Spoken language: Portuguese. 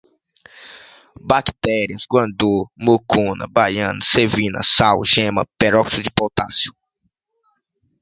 bactérias, guandu, mucuna, baiano, silvina, sal gema, peróxido de potássio